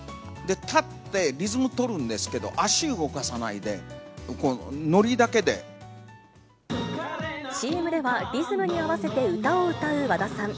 立ってリズム取るんですけど、足動かさないで、ＣＭでは、リズムに合わせて歌を歌う和田さん。